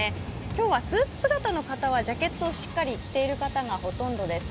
今日はスーツ姿の方はジャケットをしっかり着ている方がほとんどです。